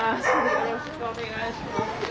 よろしくお願いします。